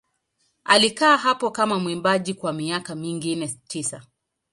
Alikaa hapo kama mwimbaji kwa miaka mingine tisa.